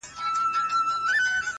o قربانو زړه مـي خپه دى دا څو عمـر ـ